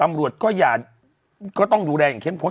อุ้ยจังหวัด